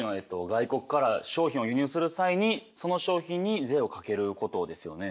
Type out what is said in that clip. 外国から商品を輸入する際にその商品に税をかけることですよね。